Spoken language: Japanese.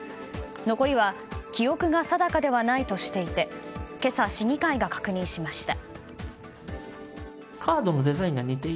残りは記憶が定かではないとしていて今朝、市議会が確認しました。